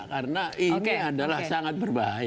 karena ini adalah sangat berbahaya